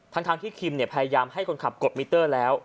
ทั้งที่คิมพยายามให้คนขับกดมิเตอร์แล้ว